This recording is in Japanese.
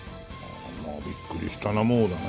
びっくりしたなもうだね。